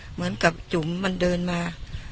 เหมือนกับจุ๋มมันเดินมา